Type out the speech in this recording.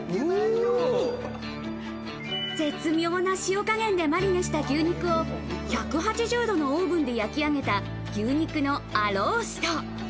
絶妙な塩加減でマリネした牛肉を１８０度のオーブンで焼き上げた牛肉のアロースト。